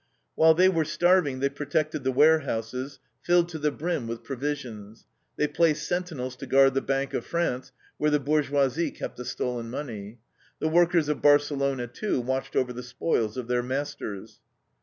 While they were starving, they protected the warehouses, filled to the brim with provisions. They placed sentinels to guard the Bank of France, where the bourgeoisie kept the stolen money. The workers of Barcelona, too, watched over the spoils of their masters.